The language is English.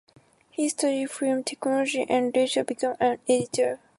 He studied film technology and later became an editor.